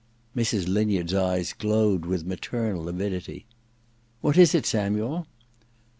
Mrs. Linyard's eyes glowed with maternal avidity. ' What is it, Samuel